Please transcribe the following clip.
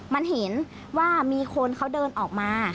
มันเห็นว่ามีคนเขาเดินออกมา